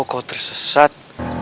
kalau kamu tersesat